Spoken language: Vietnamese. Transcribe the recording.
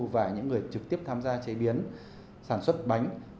và những người trực tiếp tham gia chế biến sản xuất bánh